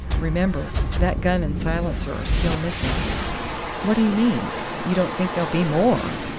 Remember, that gun and silencer are still missing!" "What do you mean?.... You don't think there'll be more